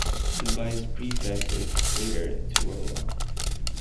The Vice-Prefect is Heitor Turolla.